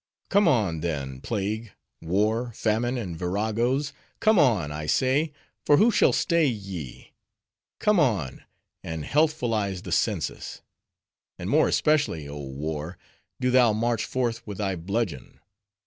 Come on, then, plague, war, famine and viragos! Come on, I say, for who shall stay ye? Come on, and healthfulize the census! And more especially, oh War! do thou march forth with thy bludgeon!